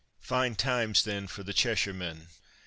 Fine times, then, for the Cheshire men.